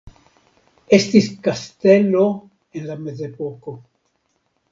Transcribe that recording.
Estis kastelo en la Mezepoko.